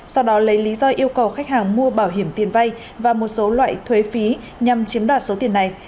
sau đó lấy lý do yêu cầu khách hàng mua bảo hiểm tiền vay và một số loại thuế phí nhằm chiếm đoạt số tiền này